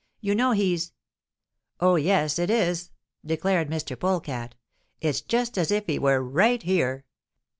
You know, he's ' "'Oh, yes, it is!' declared Mr. Polecat. 'It's just as if he were right here.